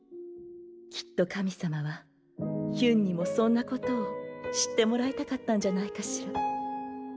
きっと神様はヒュンにもそんなことを知ってもらいたかったんじゃないかしら。